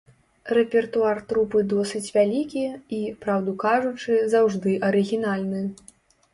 Рэпертуар трупы досыць вялікі і, праўду кажучы, заўжды арыгінальны.